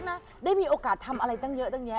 แล้วพลุกได้มีโอกาสทำอะไรเยอะแยะ